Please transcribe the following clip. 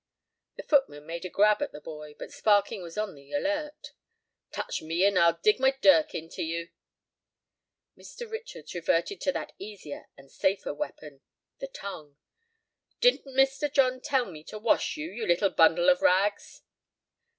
The footman made a grab at the boy, but Sparkin was on the alert. "Touch me, and I'll dig my dirk into you." Mr. Richards reverted to that easier and safer weapon—the tongue. "Didn't Mr. John tell me to wash you, you little bundle of rags?"